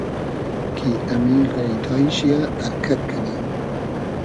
کی امی غݷتای شی یۂ ارکئد کئنی